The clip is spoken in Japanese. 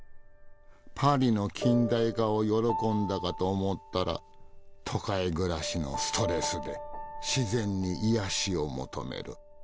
パリの近代化を喜んだかと思ったら都会暮らしのストレスで自然に癒やしを求める。